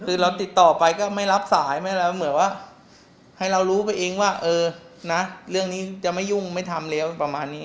คือเราติดต่อไปก็ไม่รับสายเหมือนว่าให้เรารู้ไปเองว่าเออนะเรื่องนี้จะไม่ยุ่งไม่ทำแล้วประมาณนี้